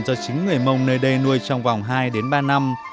do chính người mông nơi đây nuôi trong vòng hai đến ba năm